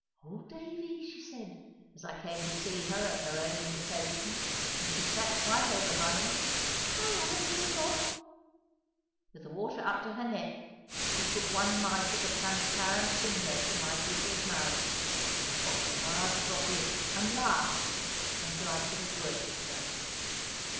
"Old Davy," she said, as I came to see her at her own invitation, and she sate quite over Bunny, "'Ill 'a have a ickle dop?" With the water up to her neck, she put one mite of a transparent finger to my grizzled mouth, and popped a large drop in, and laughed, until I could have worshipped her.